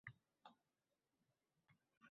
Qadim zamonda chol va kampir bo’lgan ekan